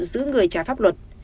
giữ người trả pháp luật